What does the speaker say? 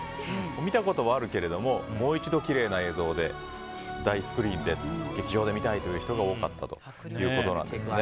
見たことはあるけれどももう一度きれいな映像で大スクリーンで劇場で見たいという人が多かったということなんです。